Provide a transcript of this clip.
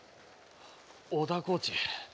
小田コーチ。